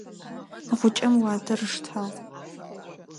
Гъукӏэм уатэр ыштагъ.